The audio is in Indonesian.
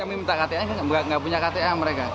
kami minta kta tapi mereka tidak punya kta